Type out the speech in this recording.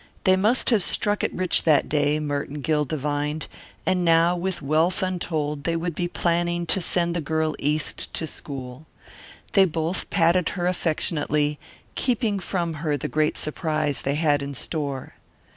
They must have struck it rich that day, Merton Gill divined, and now with wealth untold they would be planning to send the girl East to school. They both patted her affectionately, keeping from her the great surprise they had in store.